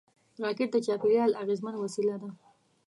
راکټ د چاپېریال اغېزمن وسیله ده